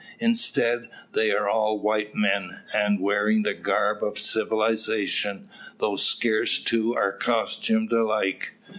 Instead, they are all white men, and wearing the garb of civilisation; though scarce two are costumed alike.